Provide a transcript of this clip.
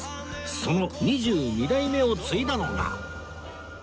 その二十二代目を継いだのが